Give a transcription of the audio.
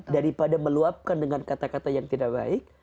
daripada meluapkan dengan kata kata yang tidak baik